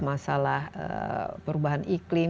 masalah perubahan iklim